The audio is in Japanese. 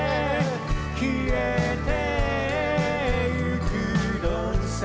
「消えてゆくのさ」